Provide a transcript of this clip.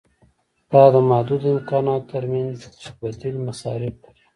دا د محدودو امکاناتو ترمنځ چې بدیل مصارف لري.